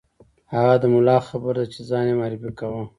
هغه د ملا خبره ده چې ځان یې معرفي کاوه.